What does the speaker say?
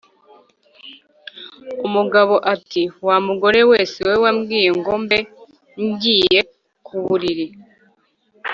umugabo ati: "Wa mugore we si wowe wambwiye ngo mbe ngiye ku buriri,